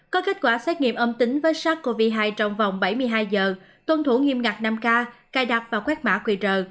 có kết quả xét nghiệm âm tính với sars cov hai trong vòng bảy mươi hai giờ tuân thủ nghiêm ngặt năm k cài đặt và quét mã qr